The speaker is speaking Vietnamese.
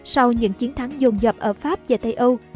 sau những chiến thắng dồn dập ở pháp và tây âu